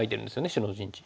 白の陣地。